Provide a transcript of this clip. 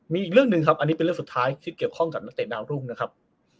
มีอีกเรื่องหนึ่งครับอันนี้เป็นเรื่องสุดท้ายที่เกี่ยวข้องกับนักเตะดาวรุ่งนะครับ